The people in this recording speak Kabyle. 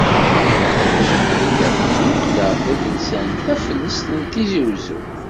D leqdic i d-theyya tdukkla tadelsant Taflest n Tizi Uzzu.